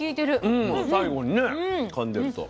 うん最後にねかんでると。